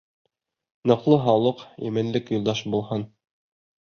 Ныҡлы һаулыҡ, именлек юлдаш булһын!